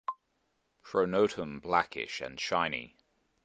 Pronotum blackish and shiny.